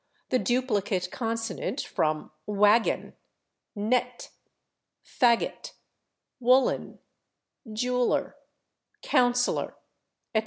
the duplicate consonant from /waggon/, /nett/, /faggot/, /woollen/, /jeweller/, /councillor/, etc.